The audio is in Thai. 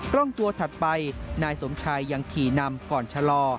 ร่องตัวถัดไปนายสมชัยยังขี่นำก่อนชะลอ